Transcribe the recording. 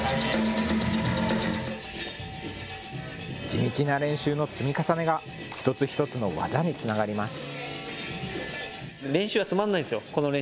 地道な練習の積み重ねが一つ一つの技につながります。